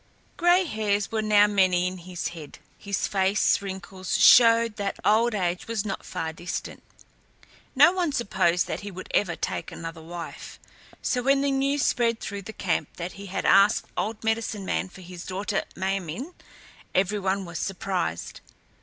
Gray hairs were now many in his head. His face wrinkles showed that old age was not far distant. No one supposed that he would ever take another wife; so when the news spread through the camp that he had asked the old medicine man for his daughter Ma min´, every one was surprised.